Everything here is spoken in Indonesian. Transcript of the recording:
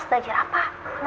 gravenya bukan opacet gitu ya